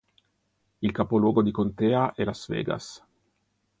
Il capoluogo di contea è Las Vegas.